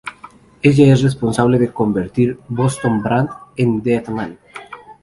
Ella es responsable de convertir Boston Brand en Deadman.